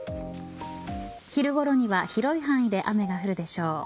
昼ごろには広い範囲で雨が降るでしょう。